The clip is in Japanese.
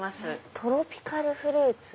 「トロピカルフルーツ」。